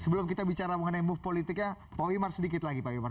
sebelum kita bicara mengenai move politiknya pak wimar sedikit lagi pak wimar